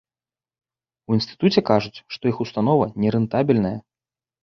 У інстытуце кажуць, што іх установа нерэнтабельная.